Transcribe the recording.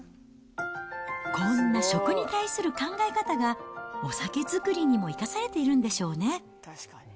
こんな食に対する考え方が、お酒造りにも生かされているんでしょうね。